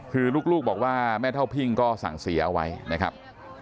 คือลูกบอกว่าแม่เท่าพิ่งก็สั่งเสียเอาไว้นะครับ